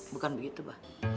bukan begitu pak